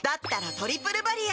「トリプルバリア」